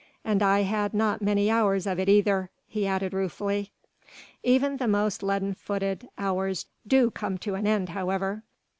And I had not many hours of it either," he added ruefully. Even the most leaden footed hours do come to an end however.